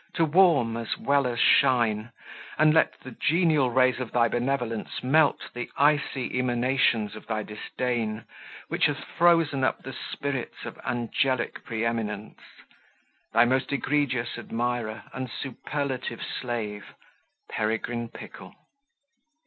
to warm, as well as shine; and let the genial rays of thy benevolence melt the icy emanations of thy disdain, which hath frozen up the spirits of angelic pre eminence. Thy most egregious admirer and superlative slave, "Peregrine Pickle."